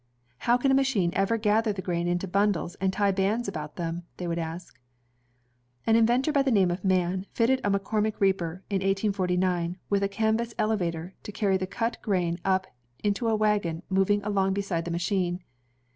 "How can a machine ever gather the grain into bundles and tie bands about them? " they would ask. An inventor by the name of Mann fitted a McCormick reaper, in 1849, with a canvas elevator, to carry the cut grain up into a wagon moving along beside the machine.